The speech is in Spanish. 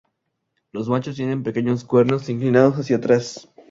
Los machos tienen pequeños cuernos, inclinados hacia atrás.